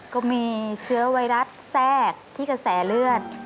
ก็มีเชื้อไวรัสแทรกที่กระแสเลือด